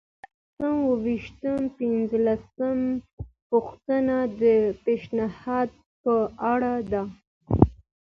یو سل او شپږ پنځوسمه پوښتنه د پیشنهاد په اړه ده.